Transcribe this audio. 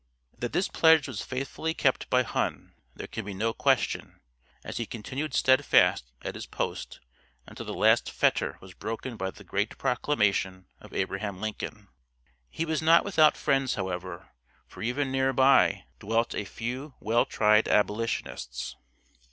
That this pledge was faithfully kept by Hunn, there can be no question, as he continued steadfast at his post until the last fetter was broken by the great proclamation of Abraham Lincoln. He was not without friends, however, for even near by, dwelt a few well tried Abolitionists.